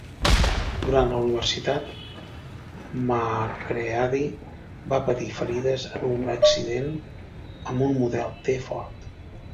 Durant la universitat, Macready va patir ferides en un accident amb un model T Ford.